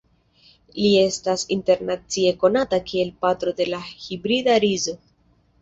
Li estas internacie konata kiel "patro de la hibrida rizo".